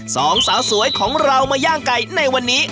สองสาวสวยของเรามาย่างไก่ในวันนี้